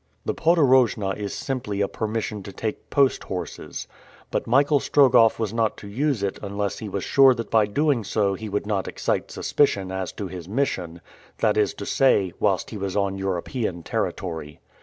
The podorojna is simply a permission to take post horses; but Michael Strogoff was not to use it unless he was sure that by so doing he would not excite suspicion as to his mission, that is to say, whilst he was on European territory.